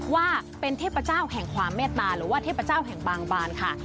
ว่าเป็นเทพเจ้าแห่งความเมตตาหรือว่าเทพเจ้าแห่งบางบานค่ะ